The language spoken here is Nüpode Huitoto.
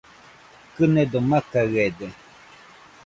Kɨnedo makaɨede